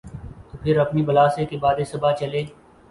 تو پھر اپنی بلا سے کہ باد صبا چلے۔